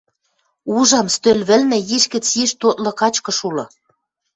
Ужам: стӧл вӹлнӹ йиш гӹц йиш тотлы качкыш улы.